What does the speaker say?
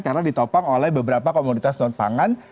karena ditopang oleh beberapa komunitas non pangan